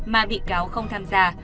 mà bị cáo không tham gia